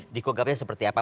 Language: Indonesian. dikogapnya seperti apa